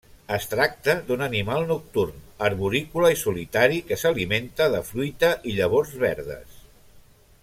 Es tracta d'un animal nocturn, arborícola i solitari que s'alimenta de fruita i llavors verdes.